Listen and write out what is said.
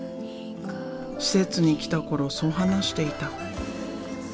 施設に来た頃そう話していた。